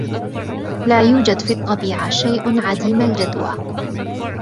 لا يوجد في الطبيعة شئ عديم الجدوى.